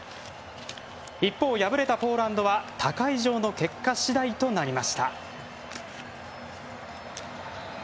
一方、敗れたポーランドは他会場の結果しだいとなりました。